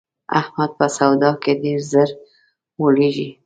احمد په سودا کې ډېر زر غولېږي.